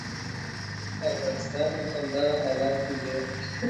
افغانستان په همدغه حالت کې دی.